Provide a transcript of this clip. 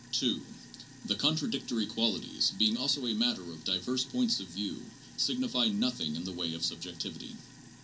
(2) The contradictory qualities, being also a matter of diverse points of view, signify nothing in the way of subjectivity.